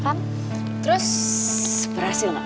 selalu behavioral tante